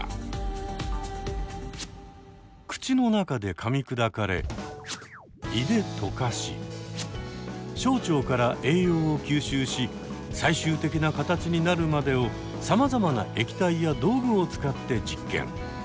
口の中でかみ砕かれ胃で溶かし小腸から栄養を吸収し最終的な形になるまでをさまざまな液体や道具を使って実験。